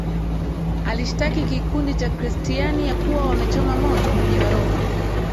alishtaki kikundi cha Chrestiani ya kuwa wamechoma moto mji wa Roma